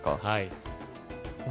はい。